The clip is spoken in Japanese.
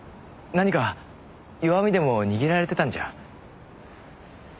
何か弱みでも握られてたんじゃ？